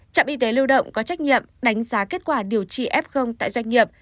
trạm y tế lưu động có trách nhiệm đánh giá kết quả điều trị f tại doanh nghiệp